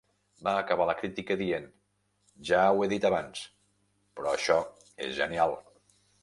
Va acabar la crítica dient: "Ja ho he dit abans... però això és genial".